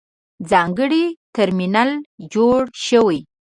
ځانګړی ترمینل جوړ شوی.